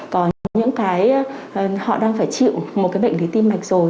có những cái họ đang phải chịu một cái bệnh lý tim mạch rồi